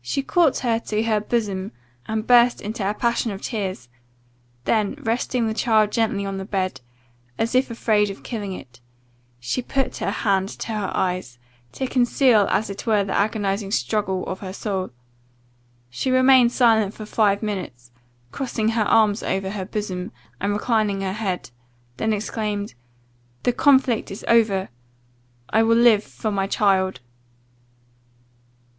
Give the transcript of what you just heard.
She caught her to her bosom, and burst into a passion of tears then, resting the child gently on the bed, as if afraid of killing it, she put her hand to her eyes, to conceal as it were the agonizing struggle of her soul. She remained silent for five minutes, crossing her arms over her bosom, and reclining her head, then exclaimed: 'The conflict is over! I will live for my child!